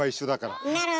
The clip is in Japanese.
なるほど！